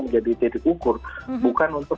menjadi titik ukur bukan untuk